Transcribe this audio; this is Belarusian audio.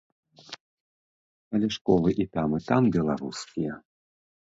Але школы і там і там беларускія.